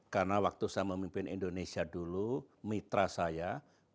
karena waktu saya memimpin indonesia dulu mitra saya kantor politik